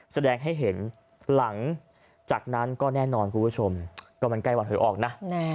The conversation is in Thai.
แสดงให้เห็นหลังจากนั้นก็แน่นอนคุณผู้ชมก็มันใกล้วันเธอออกนะ